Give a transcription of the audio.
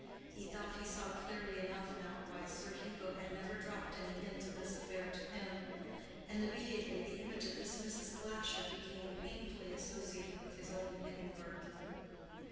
He thought he saw clearly enough now why Sir Hugo had never dropped any hint of this affair to him; and immediately the image of this Mrs. Glasher became painfully associated with his own hidden birth.